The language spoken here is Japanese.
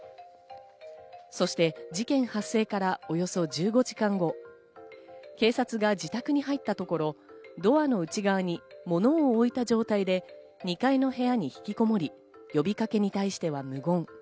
そして事件発生からおよそ１５時間後、警察が自宅に入ったところ、ドアの内側に物を置いた状態で２階の部屋に引きこもり、呼びかけに対しては無言。